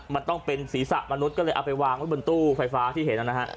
มันต้องเป็นศีรษะมนุษย์ก็เลยเอาไปวางไว้บนตู้ไฟฟ้าที่เห็นนะฮะ